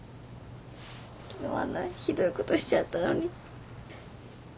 昨日あんなひどいことしちゃったのに。